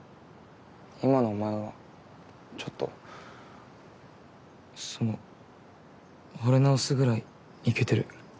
今のお前はちょっとその惚れ直すぐらいイケてる。